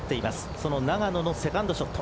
その永野のセカンドショット。